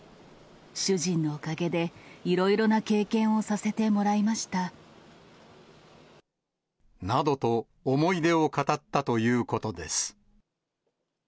主人のおかげで、いろいろな経験などと、思い出を語ったということです。